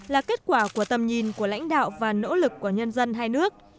là kết quả của tầm nhìn của lãnh đạo và nỗ lực của nhân dân hai nước